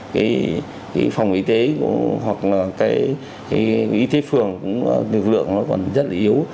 cái phòng y tế cũng hoặc là cái y tế phường cũng lực lượng nó còn rất là yếu